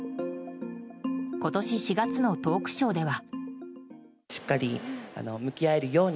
今年４月のトークショーでは。